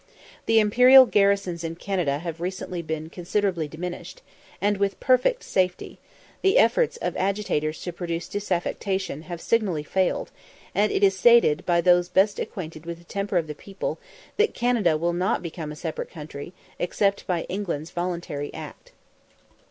The imperial garrisons in Canada have recently been considerably diminished, and with perfect safety; the efforts of agitators to produce disaffection have signally failed; and it is stated by those best acquainted with the temper of the people, that Canada will not become a separate country, except by England's voluntary act.